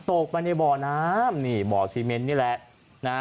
ตกมาในบ่อน้ำบ่อเซเมนต์นี่แหละ